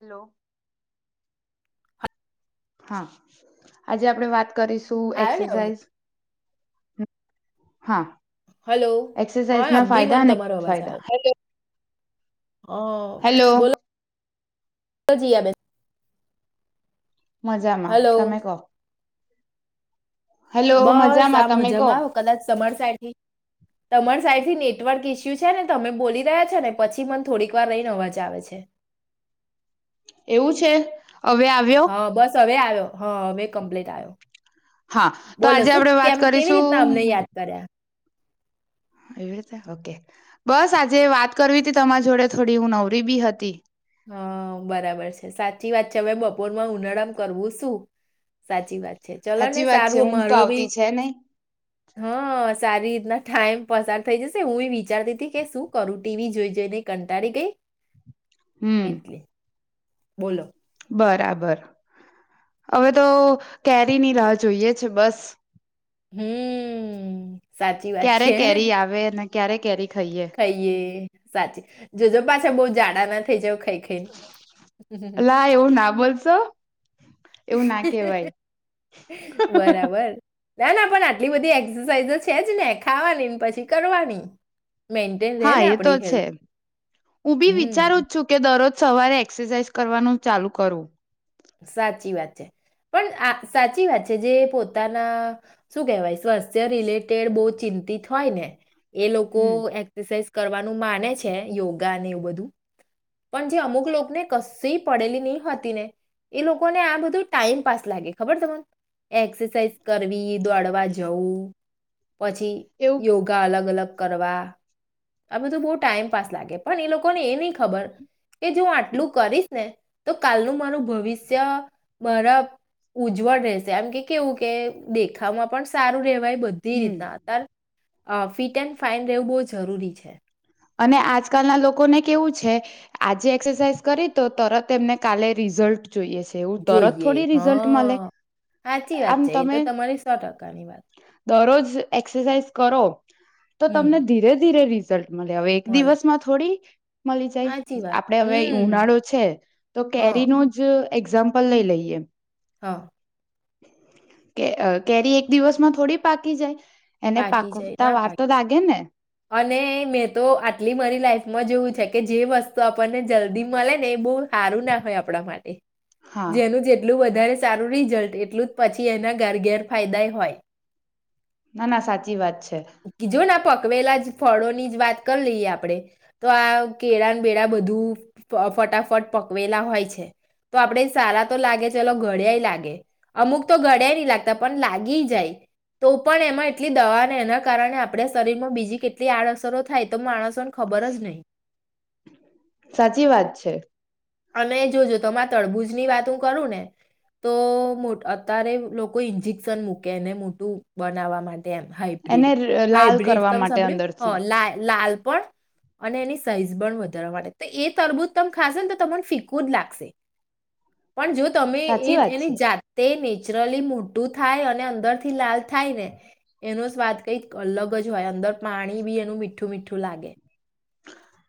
Hello. હા આજે આપણે વાત કરી શું આવ્યો ને અવાજ? એક્સરસાઇઝ. હ હા હલો એક્સરસાઇઝ હા ના અબી ફાયદા મને અને તમારો અવાજ ગેરફાયદા આવ્યો હલો હા બોલો બોલો જીયાબેન. મજામાં હલો તમે કહો. હેલો બસ મજામાં આ તમે કહો મજામાં આવ કદાચ તમાર સાઇડથી તમાર સાઈડથી નેટવર્ક ઈસ્યુ છે ને તમે બોલી રહ્યા છો ને પછી મન થોડીક વાર રહીને અવાજ આવે છે. એવું છે. હવે આવ્યો હા બસ હવે આવ્યો હા હવે કમ્પ્લીટ આવ્યો હા તો બોલો આજે શું આપડે વાત કેમ કેવી રીતના કરીશું અમને યાદ કર્યા. એવી રીતે ઓકે બસ આજે વાત કરવી હતી તમારી જોડે થોડી હું નવરી બી હતી. હા બરાબર છે સાચી વાત છે. કે અવે બપોરમાં ઉુનાળામાં કરવું શું સાચી વાત. ચલો ને સાચી વાત છે સારું ઊંઘ તો અમારો ભી આવતી છે નહી હા સારી. ના ટાઈમ પસાર થઈ જશે હું એ વિચારતી હતી કે શું કરું ટીવી જોઈ જઈને કંટાળી ગઈ. હમ એટલે બોલો. બરાબર હવે તો કેરીની રાહ જોઈએ છે બસ. હમ. સાચી ક્યારે કેરી આવે અને ક્યારે કેરી. ખાઈએ કહીએ. સાચી જોજો પાછા બહુ જાડા નથ. અ લ એવું ના બોલશો. એવું ના કહેવાય બરાબર. ના ના પણ આટલી બધી એક્સરસાઇઝ છે જ ને ખાવાની પછી કરવાની. મેન્ટેન રહે હા ને એ તો આપણી છે હેલ્થ હું બી હમ વિચારું જ છું કે દરરોજ સવારે એક્સરસાઇઝ કરવાનું ચાલુ કરું. સાચી વાત છે, પણ આ સાચી વાત છે જે પોતાના શું કેહેવાય સ્વાસ્થ્ય રિલેટેડ બહુ ચિંતિત હોય ને. એ લોકો હમ એક્સરસાઝ કરવાનું માને છે, યોગા ને એવું બધું. પણ જે અમુક લોકોને કશેય પડેલી નહી હતી ને એ લોકોને આ બધું ટાઈમ પાસ લાગે, ખબર તને એક્સરસાઇઝ કરવી. દોડવા જવું. પછી એવું યોગા અલગ અલગ કરવા આ બધું બહુ ટાઈમપસ લાગે પણ એ લોકોને એ નહી ખબર કે જો હું આટલું કરીશ ને તો કાલનું મારું ભવિષ્ય મારા ઉજ્જવળ રહેશે આમ કે કેવું કે દેખામાં પણ સારું રહેવાય. બધી હમ રીતના અતાર. અ ફિટ એન્ડ ફાાઈન રહેવું બહુ જરૂરી છે. અને આજકાલના લોકોને કેવું છે આજે એક્સરસાઇઝ કરી તો તરત એમને કાલે રિઝલ્ટ જોઈએ છે. એવું તરત જોઈએ થોડી રિઝલ્ટ મળે. હા સાચી વાત આમ છે એ તમે તો તમારી સો ટકાની વાત દરોજ એક્સરસાઇઝ કરો તો હમ તમને ધીરે ધીરે રી મળ હવે એક મળે દિવસ માં થોડી મળી જાય સાચી વાત આપડે હવે હમ ઉનાળો છે તો હા કેરી નો જ એક્ઝામ્પલ લઈ લઈએ. હા. કે કેરી એક દિવસમાં થોડી પાકી જાય. એને પાકી જાય પાકવતા ના વાર પાકી તો લાગે ને. અને મેં તો આટલી મારી લાઈફમાં જેવું છે કે જે વસ્તુ આપણને જલ્દી મળે ને એ બહુ સારું નાખય આપણા માટે. હા જેનું જેટલું વધારે સારું રિઝલ્ટ એટલું જ પછી એના ઘર ગેર ફાયદા હોય. ના ના સાચી વાત છે. કી જો ના પ કવેલા જ ફળો ની જ વાત કરી લઈએ આપડણે તો આ કેળા બેડા બધું ફટાફટ પકવેલા હોય છે, તો આપડે સારા તો લાગે ચલો ઘડ્યાય લાગે અમુક તો ઘડ્યાય નહી લાગતા પણ લાગી જાય તો પણ એમાં એટલી દવાને એના કારણે આપણે શરીર માં બીજી કેટલી આડઅસરો થાય તો માણસ સાચી વાત છે. અને જોજ તમારા તળબુજ ની વાત હું કરું ને તો અત્યારે લોકો ઇન્જેક્શન મૂકે એને મોટું બનાવવા માટ. તેમ એને હાઈબ્ર્રીડ લાલ હાઈબ્ર્રીડ કરવા તમે માટે સાંભળ્યું હ અંદરથી લ લાલ. પણ અને એની સાઈઝ પણ વધારવા એટલે એ તરબૂજ તમ ખાશો ને ત તો પણ ફિક્કુ જ લાગશે. પણ જો તમે એ સાચી વાત છે એની જાતે ને નેચરલી મોટું થાય અને અંદરથી લાલ થાય ને એનો સ્વાદ કંઈક અલગ જ હોય, અંદર પાણી બી એનું મીઠું મીઠું લાગે.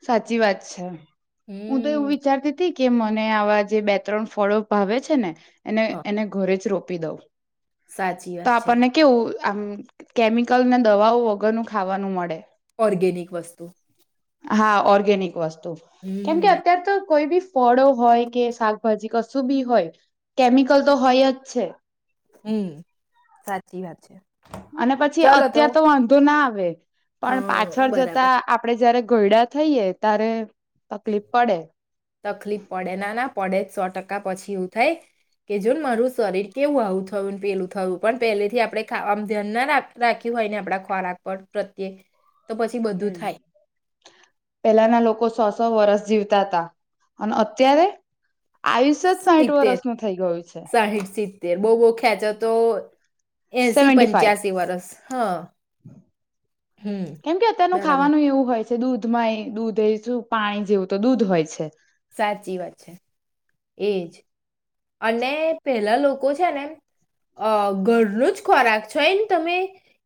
સાચી વાત છે. હું તો હમ એવું વિચારતી તી કે મને આવા જે બે ત્રણ ફળો ભાવે છે ને અને હા એને ઘરે જ રોપ પી દઉ. સાચી વાત છે. આમ કેમિકલને દવાઓ વગરનું ખાવાનું મળે. ઓર્ગેનિક વસ્તુ. હા ઓર્ગેનિક વસ્તુ. કેમ કે હમ અત્યારે તો કોઈ બી ફળો હોય કે શાકભાજી કશું બી હોય કેમિકલ તો હોય જ છે. હમ્મ, સાચી વાત છે. અને પછી અત્યાર તો વાંધો ના આવ વે. પણ હા પાછળ બરાબર જતા આપડે જયારે ઘોયડા થઈએે ત્યારે તકલીફ પડે. તકલીફ પડે ના, ના પડે જ સો ટક કા પછી એવું થાય કે જો મારું શરીર કેવું આવું થયું ને પેલું થયું, પણ પહેલેથી આપણે આમ ધ્યાન ના રાખ રાખ્યું હોય ને આપડા ખોરાક પર પ્રત્યે તો પછી બધું હમ્મ થાય પેલાના લોકો સો-સો વર્ષ જીવતા હતા અને અત્યારે? આયુષ્ય જ સાઈઠ વર્ષનું થઈ ગયું છે. તેર બોઉ-બોઉ ખેચે તો એસી સેવન્ટી ફાઈવ પંચ્યાસી વરસ. હા. હમ કેમ કે અત્યારનું બરાબર ખાવાનું એવું હોય છે દૂધમાં એય દૂધ અય શું, પાણી જેવું તો દૂધ હોય છે. સાચી વાત છે. એજ. અને પેલા લોકો છે ને અહ ઘરનું જ ખોરાક છોઈ ન તમે,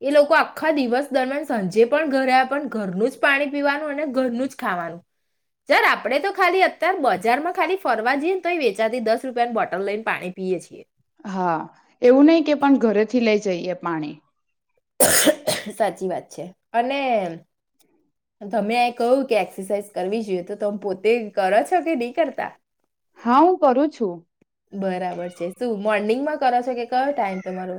એ લોકો આખા દિવસ દરમિયાન સાંજે પણ ઘરે આવ પણ ઘરનું જ પાણી પીવાનું, અને ઘરનું જ ખાવાનું, જ્યારે આપણેે તો ખાલી અત્યારે બજારમાં ખાલી ફરવા જઈએ ને તો વેચાતી દસ રૂપિયા બોટલ લઈન પાણી પીએ છે. હા એવું નહી કે પણ ઘરેથી લઈ જઈએ પાણી. સાચી વાત છે અને તમે આએ કહ્યું કે એક્સરસાાઈઝ કરવી જોઈએ તો, તમ પોતે કરો છો કે નહીં કરતા? હા, હું કરું છું. બરાબર છે શું મોર્નિંગમાં. કરો છો કે કયો ટાઈમ તમારો.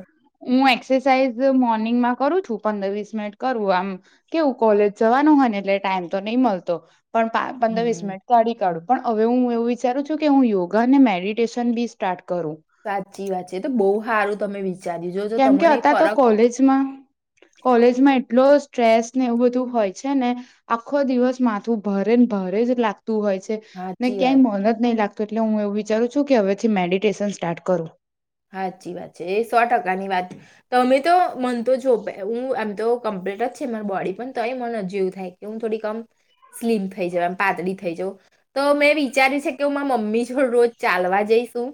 હું એક્સરસાઇઝ મોર્નિંગમાં કરું છું પંદર વીસ મિનિટ કરું આમ કેવું કોલેજ જવાનું હોય ને એટલે ટાઈમ તો નહી મળતો. પણ પંદર વીસ હમ મિટ કાઢી કાઢું પણ. હવે હું એવું વિચારું છું કે હું યોગા અને મેડિટેશન બી સ્ટાર્ટ કરું. સાચી વાત છે તો બહુ હારું. તમે વિ કેમ કે હતા તો કોલેજમાં કોલેજમાં એટલો સ્ટ્રેસ ને એવું બધું હોય છે ને આખો દિવસ માથું ભારે ને ભારે જ લાગતુ હોય છે ને સાચી વાત ક્યાંય મન જ નહીં લાગ. એટલે હું એવું વિચારું છું કે હવેથી મેડિટેશન સ્ટાર્ટ કરું. સાાચી વાત છે એ સો ટકાની વાત તમે તો મન તો જો હું એમ તો કમ્પ્લીટ જ છે મા બોડી પણ તો એ મન હજ એવું થાય કે હું થોડીકમ સ્લીમ થઈ જઉ એમ પાતળી થઈ જઉં તો મેં વિચારી્યું છે કે હું મા મમ્મી જોડ રોજ ચાલવા જઈશું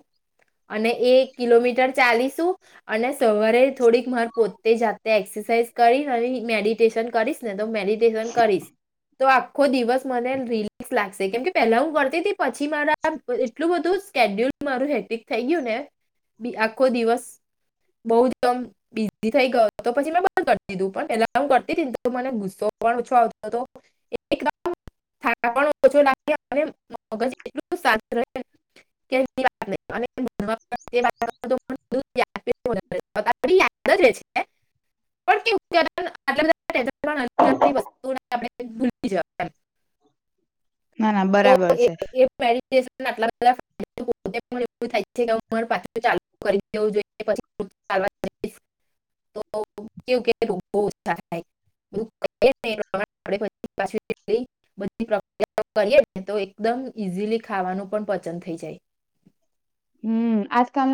અને કિલોમીટર ચાલીસું. અને સવારે થોડીક માર પોતે જાતે એક્સરસાઈઝ. કરી અને મેડિટેશન કરીશ ને. તો મેડિટેશન કરીશ. તો આખો દિવસ મને રિલેક્સ લાગશે કેમ કે પેલા હું કરતી હતી પછી મારા એટલું બધું સ્કેડ્યુલ મારું હેટિક થઈ ગયું ને. બી આખો દિવસ બહ જમ બીઝી થઈ ગયો હતો પછી મેં બ કરી દીધું પણ પલા હ કરતી હતીને મને ગુસ્સો પણ ઓછો આવતો હતો. [unintelligible] [unintelligible] ભૂલી જવાય એમ. ના ના તો બરાબર એ છે. [inaudible] ચાલુ કરી દેવું જોઈએ [inaudible] એકદમ ઈઝલી ખાવાનું પણ પચંદ થઈ જાય. હમ આજકાલ